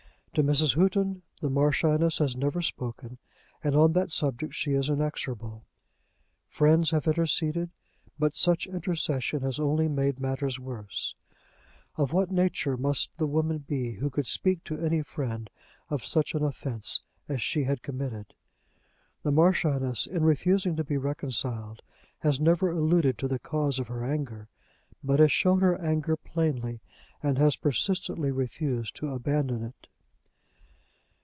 To Mrs. Houghton the Marchioness has never spoken, and on that subject she is inexorable. Friends have interceded, but such intercession has only made matters worse. Of what nature must the woman be who could speak to any friend of such an offence as she had committed? The Marchioness, in refusing to be reconciled, has never alluded to the cause of her anger, but has shown her anger plainly and has persistently refused to abandon it.